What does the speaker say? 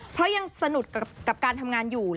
เพราะยังสนุกกับการทำงานอยู่